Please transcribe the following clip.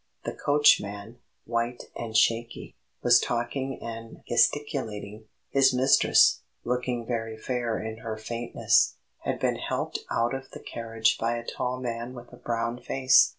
The coachman, white and shaky, was talking and gesticulating; his mistress, looking very fair in her faintness, had been helped out of the carriage by a tall man with a brown face.